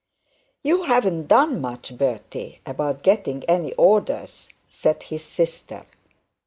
'You haven't done much, Bertie, about getting any orders,' said his sister.